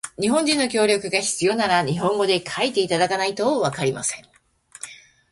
日本人の協力が必要なら、日本語で書いていただかないとわかりません。